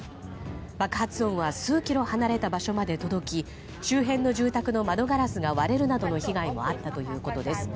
爆発音は数キロ離れた場所まで届き周辺の住宅の窓ガラスが割れるなどの被害もあったということです。